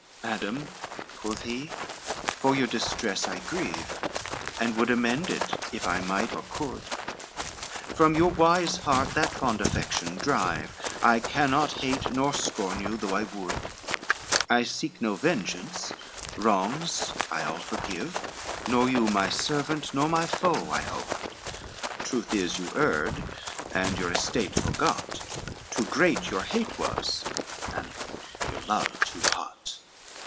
LII "Madam," quoth he, "for your distress I grieve, And would amend it, if I might or could. From your wise heart that fond affection drive: I cannot hate nor scorn you though I would, I seek no vengeance, wrongs I all forgive, Nor you my servant nor my foe I hold, Truth is, you erred, and your estate forgot, Too great your hate was, and your love too hot.